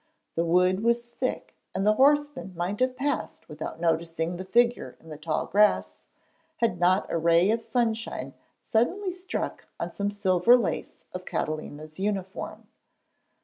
The wood was thick and the horsemen might have passed without noticing the figure in the tall grass, had not a ray of sunshine suddenly struck on some silver lace of Catalina's uniform.